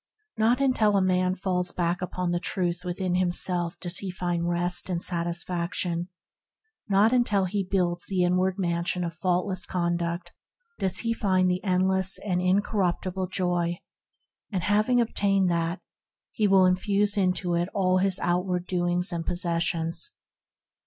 Not until a man falls back upon the Truth within himself does he find rest and satis faction; not until he builds the inward Mansion of Faultless Conduct does he find the endless and incorruptible Joy; having obtained that, he will infuse it into all his outward doings and possessions.